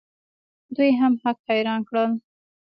دوی هم هک حیران کړل.